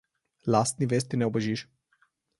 Lastni vesti ne ubežiš.